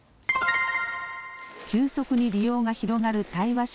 急速に利用が広がる対話式